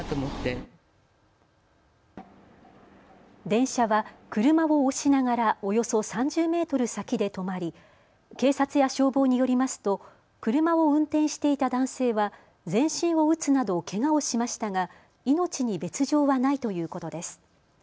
電車は車を押しながらおよそ３０メートル先で止まり警察や消防によりますと車を運転していた男性は全身を打つなどけがをしましたが命に別状はないということです。